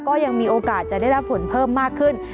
ก็ยังมีโอกาสจะได้รับฝนเพิ่มมากขึ้น